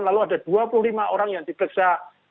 lalu ada dua puluh lima orang yang diperiksa